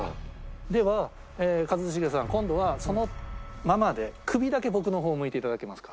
では一茂さん今度はそのままで首だけ僕の方向いていただけますか？